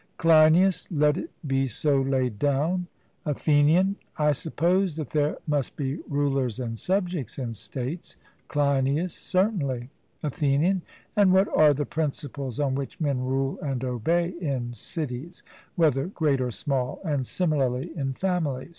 CLEINIAS: Let it be so laid down. ATHENIAN: I suppose that there must be rulers and subjects in states? CLEINIAS: Certainly. ATHENIAN: And what are the principles on which men rule and obey in cities, whether great or small; and similarly in families?